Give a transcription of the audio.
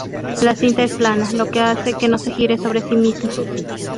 La cinta es plana, lo que hace que no se gire sobre sí misma.